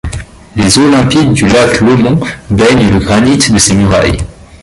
Les eaux limpides du lac Lomond baignent le granit de ses murailles.